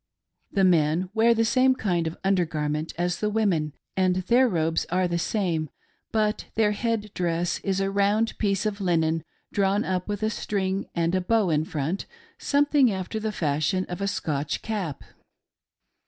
The men wear the same kind of under gar ment as the women, and their robes are the same, but their head dress is a round piece of linen drawn up with a string and a bow in front, something after the fashion of a Scotch cap.